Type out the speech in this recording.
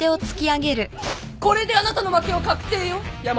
これであなたの負けは確定よ山本君。